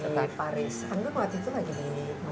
anda waktu itu lagi di mana